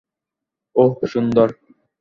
ওহ, সুন্দর।